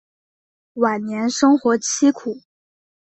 晚年生活凄苦。